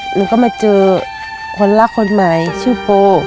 หนูก็มาเจอคนรักคนใหม่ชื่อโป